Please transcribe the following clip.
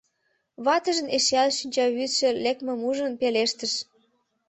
Ватыжын эшеат шинчавӱдшӧ лекмым ужын, пелештыш: